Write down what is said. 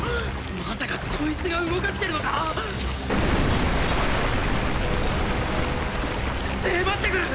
まさかこいつが動かしてるのか⁉迫ってくる！